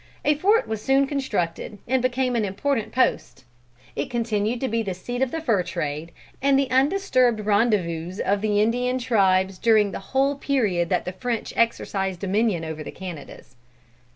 A fort was soon constructed, and became an important post. It continued to be the seat of the fur trade, and the undisturbed rendezvous of the Indian tribes during the whole period that the French exercised dominion over the Canadas."